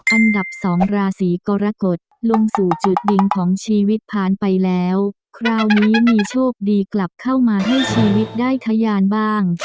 อันดับสองราศีกรกฎลงสู่จุดดิ่งของชีวิตผ่านไปแล้วคราวนี้มีโชคดีกลับเข้ามาให้ชีวิตได้ทะยานบ้าง